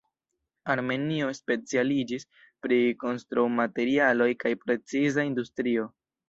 Armenio specialiĝis pri konstrumaterialoj kaj preciza industrio.